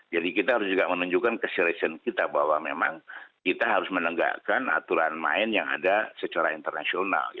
jadi kita harus juga menunjukkan ke selesai kita bahwa memang kita harus menegakkan aturan main yang ada secara internasional